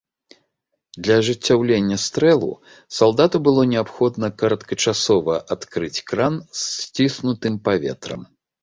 Для ажыццяўлення стрэлу салдату было неабходна кароткачасова адкрыць кран з сціснутым паветрам.